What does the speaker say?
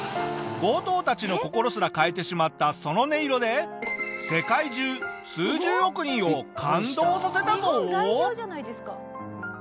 強盗たちの心すら変えてしまったその音色で世界中数十億人を感動させたぞ！